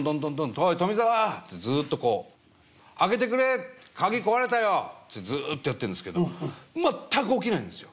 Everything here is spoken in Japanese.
「おい富澤」ってずっとこう「開けてくれ鍵壊れたよ」ってずっとやってるんですけど全く起きないんですよ。